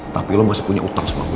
jadi terserah gue dong mau bayar berapa